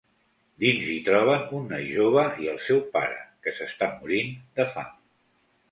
Dins hi troben un noi jove i el seu pare, que s'està morint de fam.